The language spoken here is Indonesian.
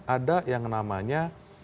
ada yang namanya